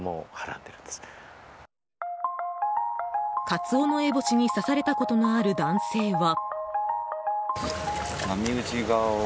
カツオノエボシに刺されたことのある男性は。